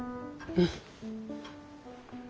うん。